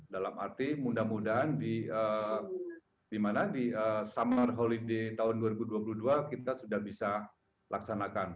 dalam arti mudah mudahan di summer holy di tahun dua ribu dua puluh dua kita sudah bisa laksanakan